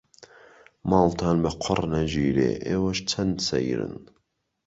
ماڵتان بە قوڕ نەگیرێ ئێوەش چەند سەیرن.